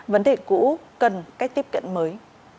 vấn đề cũ cần cách tiếp cận mới